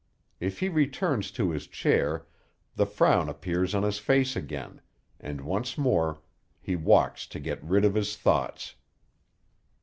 If he returns to his chair, the frown appears on his face again, and once more he walks to get rid of his thoughts.